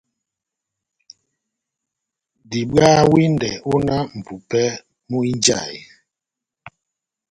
Diwaha windɛ ó náh mʼpupɛ múhínjahe.